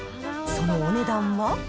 そのお値段は。